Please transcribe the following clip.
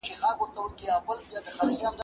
زه اجازه لرم چي سبزیحات وچوم!؟